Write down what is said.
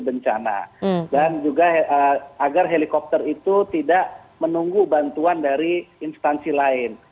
dan juga agar helikopter itu tidak menunggu bantuan dari instansi lain